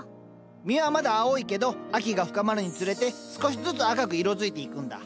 実はまだ青いけど秋が深まるにつれて少しずつ赤く色づいていくんだ。